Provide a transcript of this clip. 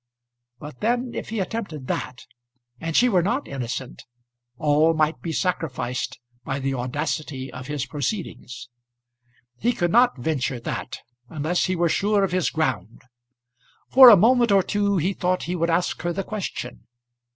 But then if he attempted that, and she were not innocent, all might be sacrificed by the audacity of his proceedings. He could not venture that, unless he were sure of his ground. For a moment or two he thought that he would ask her the question.